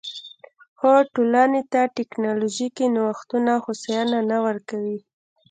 خو ټولنې ته ټکنالوژیکي نوښتونه او هوساینه نه ورکوي